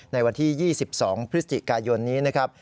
ในวันที่๒๒พฤศจิกายนนี้นะครับ